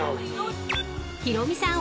［ヒロミさん